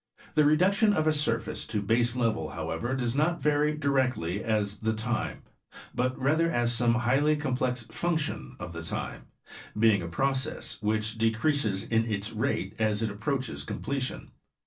The reduction of a surface to base level, however, does not vary directly as the time, but rather as some highly complex function of the time, being a process which decreases in its rate as it approaches completion.